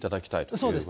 そうですね。